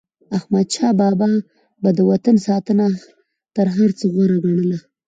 احمدشاه بابا به د وطن ساتنه تر هر څه غوره ګڼله.